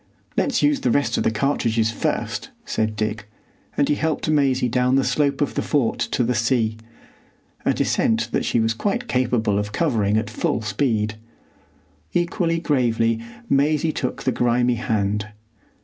"Let's use the rest of the cartridges first," said Dick; and he helped Maisie down the slope of the fort to the sea,—a descent that she was quite capable of covering at full speed. Equally gravely Maisie took the grimy hand.